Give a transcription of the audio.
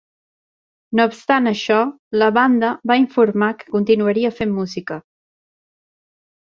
No obstant això, la banda va informar que continuaria fent música.